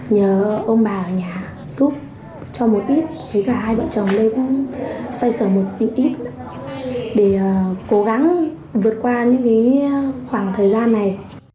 nhớ ông bà ở nhà giúp cho một ít với cả hai vợ chồng đây cũng xoay sở một tiện ích để cố gắng vượt qua những khoảng thời gian này